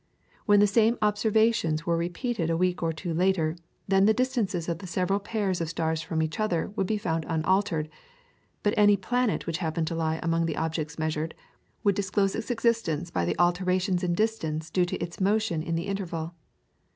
When the same observations were repeated a week or two later, then the distances of the several pairs of stars from each other would be found unaltered, but any planet which happened to lie among the objects measured would disclose its existence by the alterations in distance due to its motion in the interval.